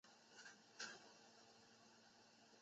数年后原址开始被划为临时露天停车场。